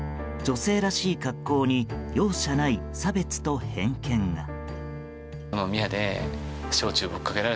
女性らしい格好に容赦ない差別と偏見が。